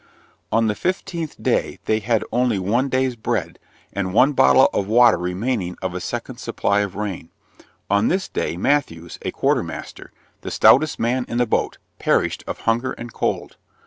On the fifteenth day, they had only one day's bread, and one bottle of water remaining of a second supply of rain; on this day Matthews, a quarter master, the stoutest man in the boat, perished of hunger and cold.